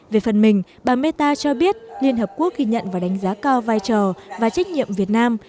về phần mình bà meta cho biết liên hợp quốc ghi nhận và đánh giá cao vai trò và trách nhiệm việt nam